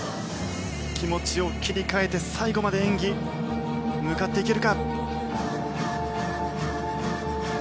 気持ちを切り替えて最後まで演技向かっていけるか。